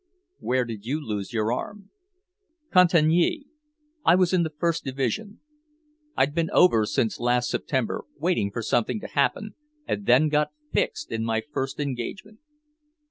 "Where did you lose your arm?" "Cantigny. I was in the First Division. I'd been over since last September, waiting for something to happen, and then got fixed in my first engagement."